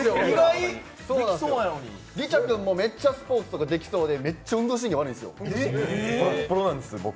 リチャ君もめっちゃスポーツとかできそうで、めっちゃ運動神経悪いんですよ。